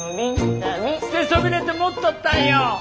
捨てそびれて持っとったんよ！